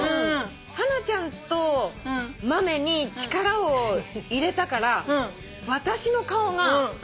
ハナちゃんと豆に力を入れたから私の顔が。